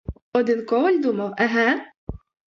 Один коваль думав, еге?